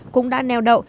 cũng đã neo đậu